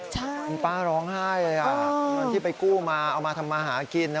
ใช่คุณป้าร้องไห้เลยครับวันที่ไปกู้มาเอามาทำมาหากิน